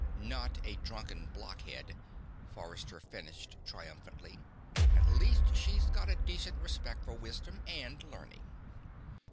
"Not a drunken blockhead," Forrester finished triumphantly. "At least she's got a decent respect for wisdom and learning."